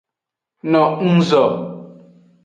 No nguzo.